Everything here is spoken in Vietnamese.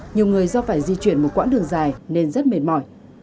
nhiều người do phải di chuyển một quãng đường dài nên rất mệt mỏi